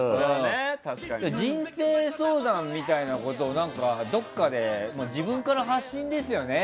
人生相談みたいなことをどっかで自分から発信ですよね。